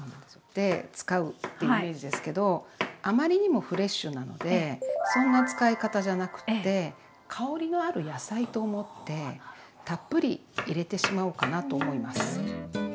で使うっていうイメージですけどあまりにもフレッシュなのでそんな使い方じゃなくって香りのある野菜と思ってたっぷり入れてしまおうかなと思います。